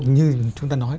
như chúng ta nói